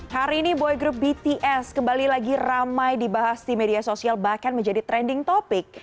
hari ini boy group bts kembali lagi ramai dibahas di media sosial bahkan menjadi trending topic